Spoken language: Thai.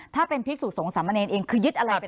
ถ้าเป็นภิกษุสงศ์สำเนยนเองคือยึดอะไรเป็น